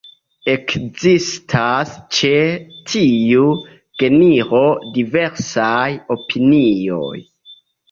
Ekzistas ĉe tiu genro diversaj opinioj.